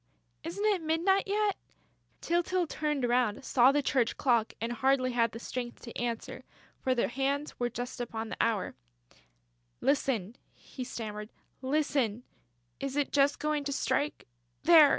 "Isn't it midnight yet...." Tyltyl turned round, saw the church clock and hardly had the strength to answer, for the hands were just upon the hour: "Listen," he stammered, "listen.... It is just going to strike.... There!...